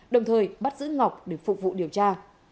đồng thời bắt giữ ngọc để phục vụ điều tra